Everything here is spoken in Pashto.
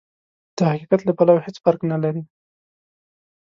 د حقيقت له پلوه هېڅ فرق نه لري.